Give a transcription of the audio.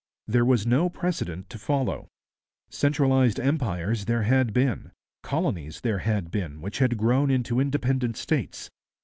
There was no precedent to follow. Centralized empires there had been; colonies there had been which had grown into independent states.